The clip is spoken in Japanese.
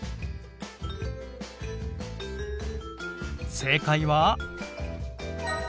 正解は。